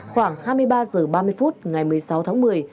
khoảng hai mươi ba h ba mươi phút ngày một mươi sáu tháng một mươi